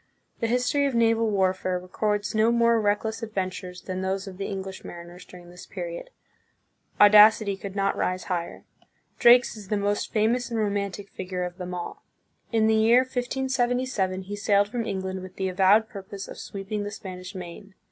The history of naval warfare records no more reckless adventures than those of the English mariners during this period. Audacity could not rise higher. Drake's is the most famous and romantic figure of them all. In the year 1577, he sailed from England with the avowed purpose of sweeping the Spanish Main.